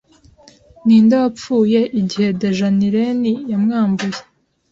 Ninde wapfuye igihe Dejaniren yamwambuye